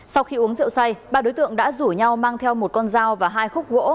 sau khi uống rượu say ba đối tượng đã rủ nhau mang theo một con dao và hai khúc gỗ